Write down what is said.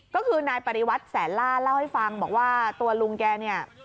ก็คือนายปริวัติแสนล่าเล่าให้ฟังบอกว่าตัวลุงแกเนี่ย